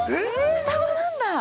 ◆双子なんだ。